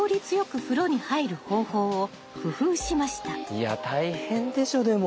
いや大変でしょでも。